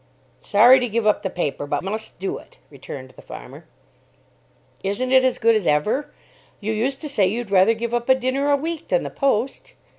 "Sorry to give up the paper. But must do it," returned the farmer. "Isn't it as good as ever? You used to say you'd rather give up a dinner a week than the 'Post.'"